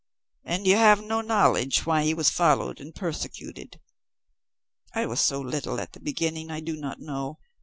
"And you have no knowledge why he was followed and persecuted?" "I was so little at the beginning I do not know.